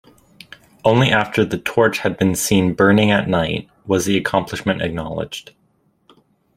Only after the torch had been seen burning at night was the accomplishment acknowledged.